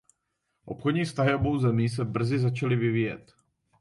Obchodní vztahy obou zemí se brzy začaly vyvíjet.